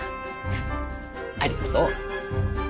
ありがとう。